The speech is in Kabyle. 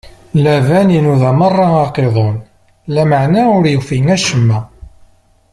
Laban inuda meṛṛa aqiḍun, lameɛna ur yufi acemma.